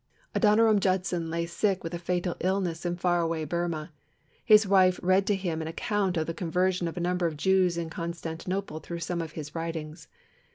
Adoniram Judson lay sick with a fatal illness in far away Burmah. His wife read to him an account of the conversion of a number of Jews in Constantinople through some of his writings.